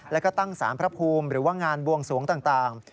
แล้วก็ตั้งสารพระภูมิหรือว่างานบวงสวงต่าง